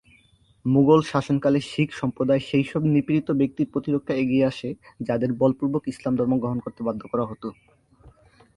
মুঘল শাসনকালে শিখ সম্প্রদায় সেই সব নিপীড়িত ব্যক্তির প্রতিরক্ষায় এগিয়ে আসে, যাঁদের বলপূর্বক ইসলাম ধর্ম গ্রহণ করতে বাধ্য করা হত।